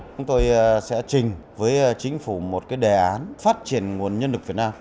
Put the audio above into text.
chúng tôi sẽ trình với chính phủ một đề án phát triển nguồn nhân lực việt nam